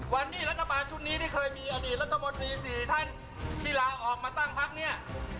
วันที่รัฐบาลชุดนี้ที่เคยมีอดีตรัฐมนตรี๔ท่านที่ลาออกมาตั้งพักเนี่ย